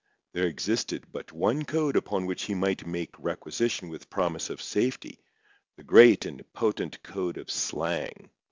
There existed but one code upon which he might make requisition with promise of safety—the great and potent code of Slang.